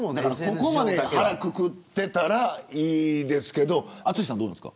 ここまで腹くくってたらいいですけど淳さんはどうですか。